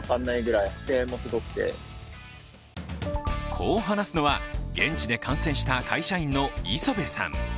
こう話すのは現地で観戦した会社員の磯部さん。